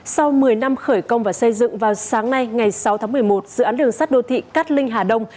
sau một mươi năm khởi công và xây dựng vào sáng nay ngày sáu tháng một mươi một dự án đường sắt đô thị cát linh hà đông